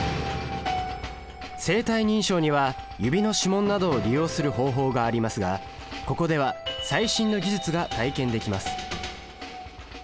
生体認証には指の指紋などを利用する方法がありますがここでは最新の技術が体験できます